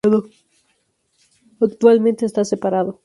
Actualmente está separado.